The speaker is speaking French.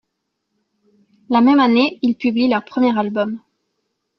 La même année, ils publient leur premier album, '.